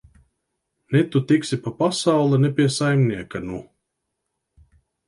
Ne tu tiksi pa pasauli, ne pie saimnieka, nu!